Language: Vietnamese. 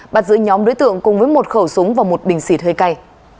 bắt giữ nhóm đối tượng cùng với một khẩu súng và một bình xịt hơi cay